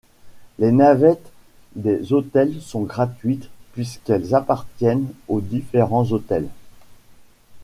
Les navettes des hôtels sont gratuites puisqu'elles appartiennent aux différents hôtels.